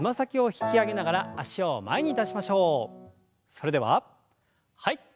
それでははい。